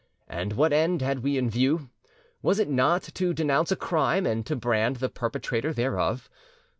And what end had we in view? Was it not to denounce a crime and to brand the perpetrator thereof?